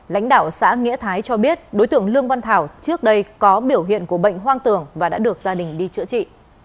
lãnh đạo xã nghĩa thái cho biết đối tượng lương văn thảo trước đây có biểu hiện của bệnh hoang tưởng và đã được gia đình đi chữa trị